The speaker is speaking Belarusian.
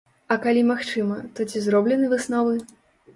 А калі магчыма, то ці зроблены высновы?